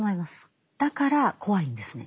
だから怖いんですね。